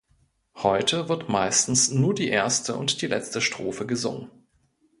Heute wird meistens nur die erste und die letzte Strophe gesungen.